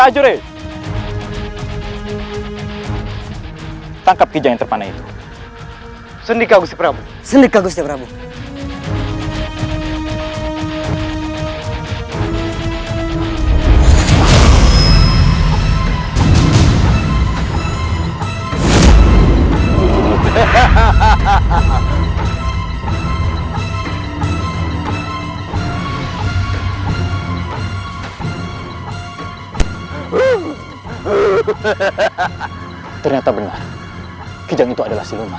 tidak kau tidak bisa melarikan diri dari anak panah